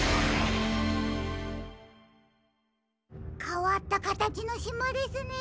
かわったかたちのしまですね。